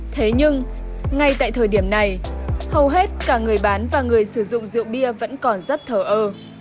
thế nhưng ngay tại thời điểm này hầu hết cả người bán và người sử dụng rượu bia vẫn còn rất thờ ơ